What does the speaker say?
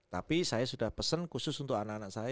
tapi saya sudah pesen khusus untuk anak anak saya